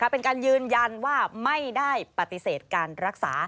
เป็นการยืนยันว่าไม่ได้ปฏิเสธการรักษา